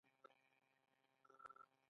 آزاد تجارت مهم دی ځکه چې چاپیریال ښه کوي.